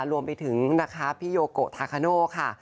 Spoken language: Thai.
รวมไปถึงนะคะพี่โยโกทาคาโน่ค่ะ